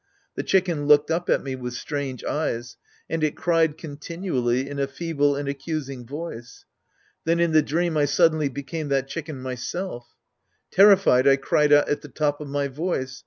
The chicken looked up at me with strange eyes. And it cried continually In a feeble and accusing voice. Then in the dream I suddenly became that chicken myself Terrified, I cried out at the top of my voice.